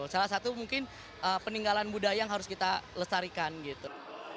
salah satu mungkin peninggalan budaya yang harus kita lestarikan gitu